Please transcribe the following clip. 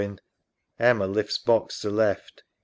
EMMA (lifts box to left).